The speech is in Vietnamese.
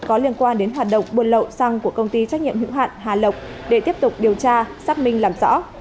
có liên quan đến hoạt động buôn lậu xăng của công ty trách nhiệm hữu hạn hà lộc để tiếp tục điều tra xác minh làm rõ